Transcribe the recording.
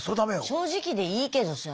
正直でいいけどさ。